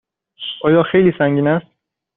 آیا خیلی سنگین است؟